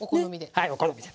はいお好みで！